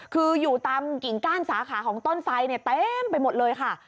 คืออยู่ตามกิ่งก้านสาขาของต้นไฟเนี่ยเต็มไปหมดเลยค่ะ